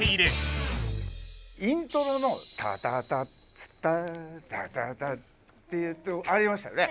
イントロの「タタタッツタータタタッ」っていうとこありましたよね。